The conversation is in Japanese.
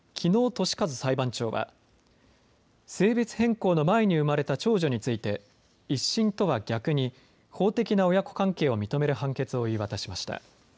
敏和裁判長は性別変更の前に生まれた長女について１審とは逆に法的な親子関係を認める判決を言い渡しました。